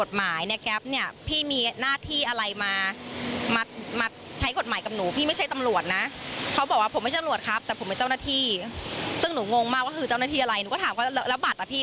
ส่วนการที่วินจอยอ้างว่าหากปฏิสุดใจวินก็ควรจะออกมาชี้แจงเรื่องนี้ด้วย